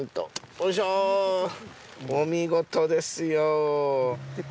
お見事ですよ。